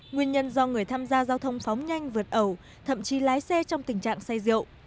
nguyên nhân do người tham gia giao thông phóng nhanh vượt ẩu thậm chí lái xe trong tình trạng say rượu